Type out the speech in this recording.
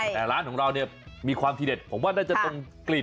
แต่ร้านของเราเนี่ยมีความทีเด็ดผมว่าน่าจะตรงกลิ่น